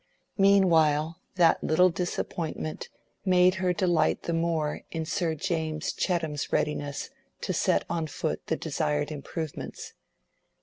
Meanwhile that little disappointment made her delight the more in Sir James Chettam's readiness to set on foot the desired improvements.